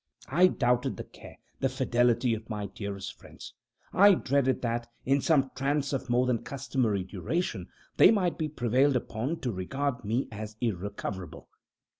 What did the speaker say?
I doubted the care, the fidelity of my dearest friends. I dreaded that, in some trance of more than customary duration, they might be prevailed upon to regard me as irrecoverable.